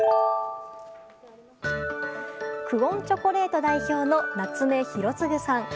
久遠チョコレート代表の夏目浩次さん。